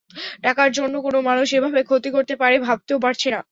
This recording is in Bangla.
টাকার জন্য কোনো মানুষ এভাবে ক্ষতি করতে পারে, ভাবতেও পারছি না।